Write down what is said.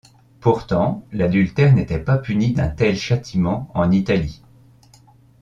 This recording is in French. Pourtant, l'adultère n'était pas puni d'un tel châtiment, en Italie.